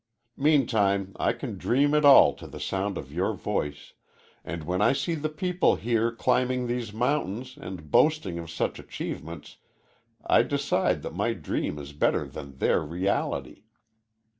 Meantime I can dream it all to the sound of your voice, and when I see the people here climbing these mountains and boasting of such achievements I decide that my dream is better than their reality."